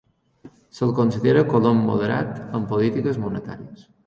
Se'l considera colom moderat en polítiques monetàries.